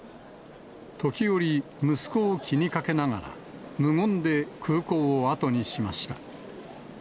時折、息子を気にかけながら、無言で空港を後にしました。